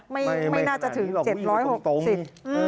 ไม่ไม่น่าจะถึง๗๖๐บาท